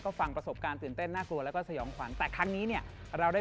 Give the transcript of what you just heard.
การทำสถานีผีดุ